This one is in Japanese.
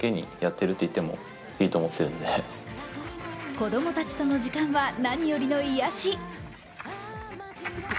子供たちとの時間は何よりの癒やし。